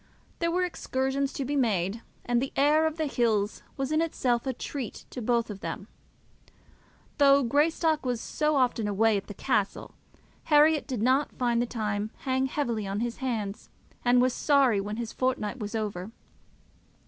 There were excursions to be made, and the air of the hills was in itself a treat to both of them. Though Greystock was so often away at the castle, Herriot did not find the time hang heavily on his hands, and was sorry when his fortnight was over.